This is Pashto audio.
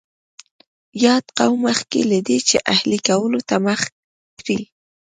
یاد قوم مخکې له دې چې اهلي کولو ته مخه کړي